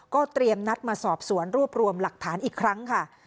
เตรียมนัดมาสอบสวนรวบรวมหลักฐานอีกครั้งค่ะ